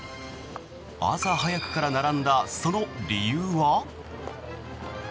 朝早くから並んだその理由は。